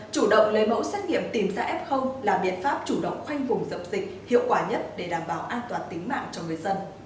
chủ động lấy mẫu xét nghiệm tìm ra f là biện pháp chủ động khoanh vùng dập dịch hiệu quả nhất để đảm bảo an toàn tính mạng cho người dân